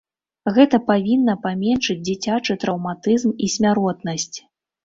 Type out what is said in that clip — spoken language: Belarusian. Гэта павінна паменшыць дзіцячы траўматызм і смяротнасць.